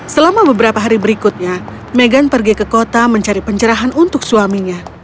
selama beberapa hari berikutnya meghan pergi ke kota mencari pencerahan untuk suaminya